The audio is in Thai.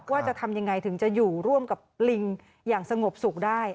ว่าจะทำยังไงถึงจะอยู่ร่วมกับลิงอย่างสงบสุขได้